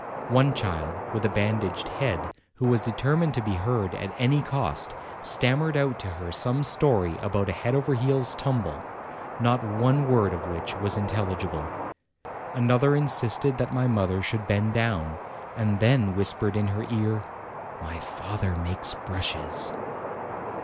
One child, with a bandaged head, who was determined to be heard at any cost, stammered out to her some story about a head over heels tumble, not one word of which was intelligible; another insisted that my mother should bend down, and then whispered in her ear, "My father makes brushes."